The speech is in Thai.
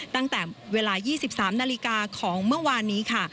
ตั้งแต่เวลา๒๓นาฬิกาของเมื่อวานนี้ค่ะ